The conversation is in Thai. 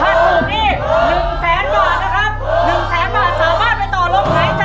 ถ้าถูกนี่๑แสนบาทนะครับ๑แสนบาทสามารถไปต่อลมหายใจ